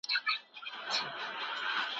د سند سیمه اوس په امیرانو پوري اړه لري.